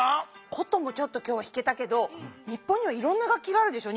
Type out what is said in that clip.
箏も今日はひけたけど日本にはいろんな楽器があるでしょ。